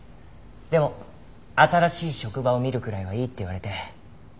でも新しい職場を見るくらいはいいって言われて。